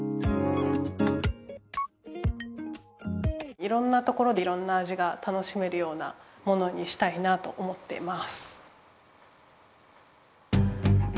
いろんなところでいろんな味が楽しめるようなものにしたいなと思っています。